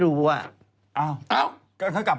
ป๋อว่ายังไงเภอิกทุษก็ใคร